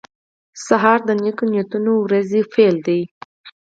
سهار د نیکو نیتونو ورځې پیل دی.